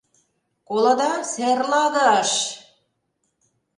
Колыда, серлагыш?!